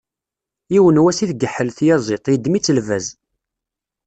Yiwen wass i tgeḥḥel tyaẓiḍt, yeddem-itt lbaz.